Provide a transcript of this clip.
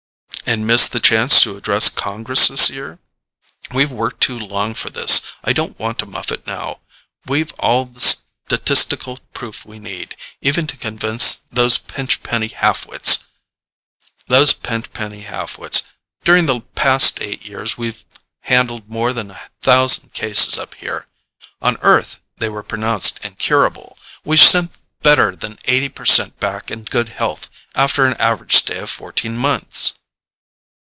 "And miss the chance to address Congress this year? We've worked too long for this; I don't want to muff it now. We've all the statistical proof we need, even to convince those pinchpenny halfwits. During the past eight years we've handled more than a thousand cases up here. On Earth they were pronounced incurable; we've sent better than eighty per cent back in good health after an average stay of fourteen months."